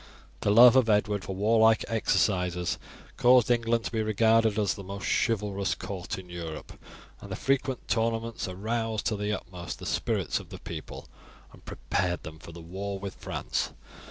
The love of Edward for warlike exercises caused England to be regarded as the most chivalrous court in Europe, and the frequent tournaments aroused to the utmost the spirits of the people and prepared them for the war with France.